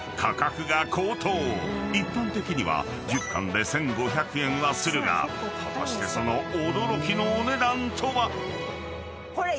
［一般的には１０缶で１，５００円はするが果たしてその驚きのお値段とは？］